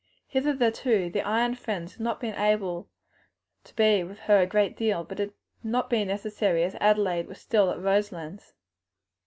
Hitherto the Ion friends had not been able to be with her a great deal, but it had not been necessary, as Adelaide was still at Roselands.